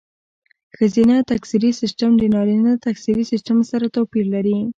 ښځینه تکثري سیستم د نارینه تکثري سیستم سره توپیر لري.